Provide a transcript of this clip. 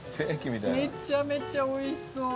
めちゃめちゃおいしそう。